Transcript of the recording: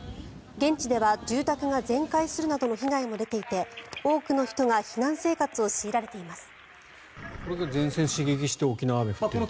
現地では住宅が全壊するなどの被害も出ていて多くの人が避難生活を強いられています。